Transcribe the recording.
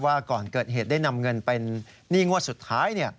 ก่อนเกิดเหตุได้นำเงินเป็นหนี้งวดสุดท้าย